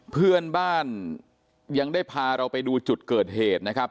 เพื่อนบ้านยังได้พาเราไปดูจุดเกิดเหตุนะครับ